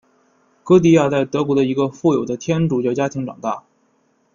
歌地亚在德国的一个富有的天主教家庭长大。